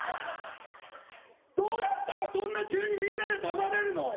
どうやったらそんな急にみんなで黙れるの？